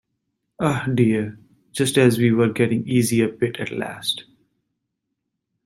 Eh, dear, just as we were getting easy a bit at last.